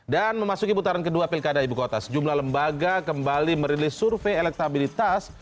dan memasuki putaran kedua pilkada ibu kota sejumlah lembaga kembali merilis survei elektabilitas